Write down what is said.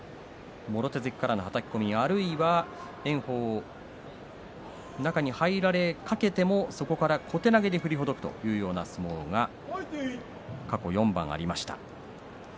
もろ手突きからのはたき込みあるいは炎鵬に中に入られかけての右からの小手投げといった相撲が過去４番ありました。